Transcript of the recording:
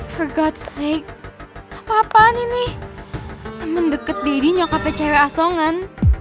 for god sake apa apaan ini temen deket daddy nyokapnya cewek asongan